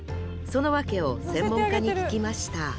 その訳を専門家に聞きました